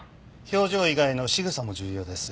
表情以外のしぐさも重要です。